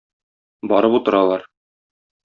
Барып утыралар.